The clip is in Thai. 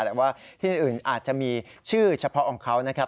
แต่ว่าที่อื่นอาจจะมีชื่อเฉพาะของเขานะครับ